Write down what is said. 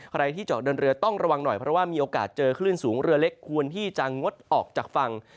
ใครที่เจาะเดินเรือต้องระวังหน่อยเพราะว่ามีโอกาสเจอคลื่นสูงเรือเล็กควรที่จะงดออกจากฝั่ง